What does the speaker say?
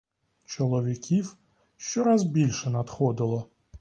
Чоловіків щораз більше надходило.